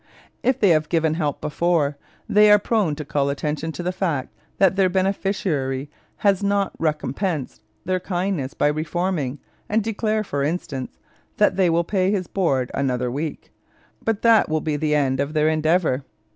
If they have given help before, they are prone to call attention to the fact that their beneficiary has not recompensed their kindness by reforming, and declare, for instance, that they will pay his board another week, but that will be the end of their endeavor.